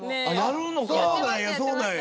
そうなんやそうなんや。